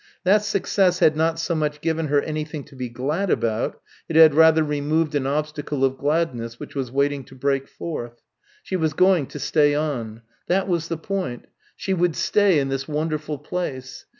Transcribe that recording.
That success had not so much given her anything to be glad about it had rather removed an obstacle of gladness which was waiting to break forth. She was going to stay on. That was the point. She would stay in this wonderful place....